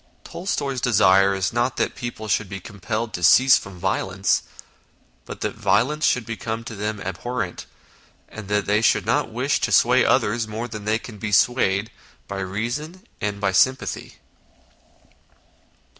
Tolstoy's desire is not that people should be compelled to cease from violence, but that violence should become to them abhorrent, and that they should not wish to sway others more than they can be swayed by reason and by sympathy.